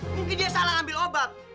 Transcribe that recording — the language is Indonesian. mungkin dia salah ambil obat